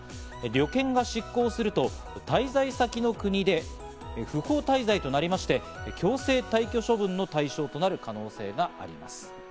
旅券が失効すると、滞在先の国で不法滞在となりまして、強制退去処分の対象となる可能性があります。